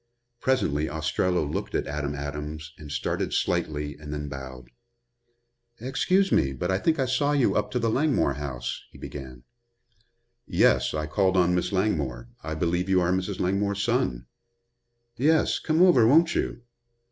Presently Ostrello looked at Adam Adams and started slightly and then bowed. "Excuse me, but I think I saw you up to the Langmore house," he began. "Yes, I called on Miss Langmore. I believe you are Mrs. Langmore's son." "Yes. Come over, won't you?"